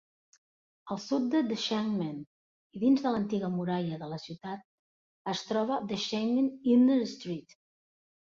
Al sud de Deshengmen i dins de l'antiga muralla de la ciutat es troba el Deshengmen Inner Street.